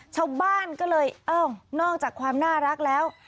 ชาวบ้านก็เลยเอ้านอกจากความน่ารักแล้ว